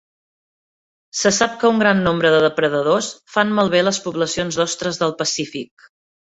Se sap que un gran nombre de depredadors fan malbé les poblacions d'ostres del Pacífic.